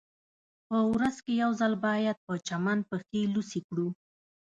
په ورځ کې یو ځل باید په چمن پښې لوڅې کړو